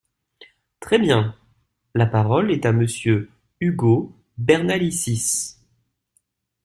Très bien ! La parole est à Monsieur Ugo Bernalicis.